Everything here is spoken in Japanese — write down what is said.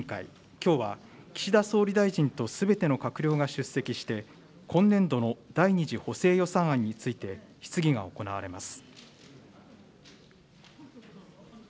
きょうは岸田総理大臣とすべての閣僚が出席して、今年度の第２次補正予算案について、質疑が行われます。